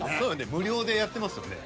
無料でやってますよね。